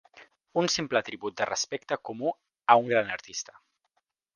Un simple tribut de respecte comú a un gran artista.